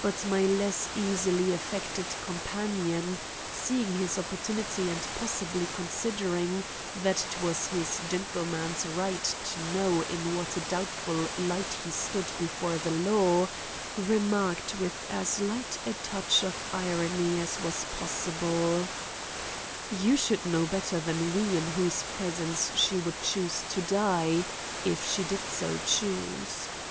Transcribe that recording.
But my less easily affected companion, seeing his opportunity and possibly considering that it was this gentleman's right to know in what a doubtful light he stood before the law, remarked with as light a touch of irony as was possible: "You should know better than we in whose presence she would choose to die—if she did so choose.